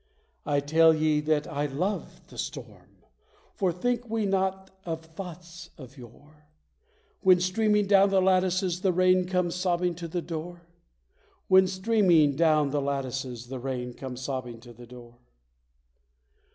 I tell ye that I love the storm, for think we not of thoughts of yore, When, streaming down the lattices, the rain comes sobbing to the door? When, streaming down the lattices, The rain comes sobbing to the door?